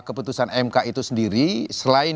keputusan mk itu sendiri selain